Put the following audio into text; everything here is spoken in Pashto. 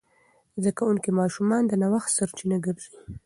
زده کوونکي ماشومان د نوښت سرچینه ګرځي.